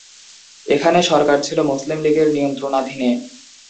এখানে সরকার ছিল মুসলিম লীগের নিয়ন্ত্রণাধীনে।